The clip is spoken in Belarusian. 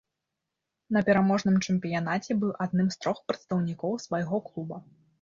На пераможным чэмпіянаце быў адным з трох прадстаўнікоў свайго клуба.